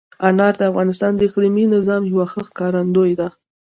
انار د افغانستان د اقلیمي نظام یوه ښه ښکارندوی ده.